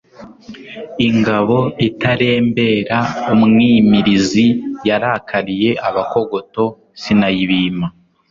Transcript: Ingabo itarembera umwimirizi, yarakariye Abakogoto sinayibima,